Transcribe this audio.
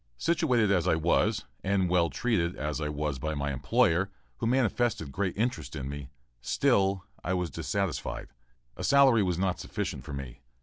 Situated as I was, and well treated as I was by my employer, who manifested great interest in me, still I was dissatisfied. A salary was not sufficient for me.